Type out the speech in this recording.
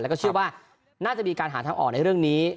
แล้วก็เชื่อว่าน่าจะมีการหาทางออกในเรื่องนี้